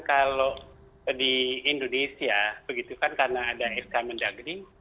kalau di indonesia begitu kan karena ada e comment dagri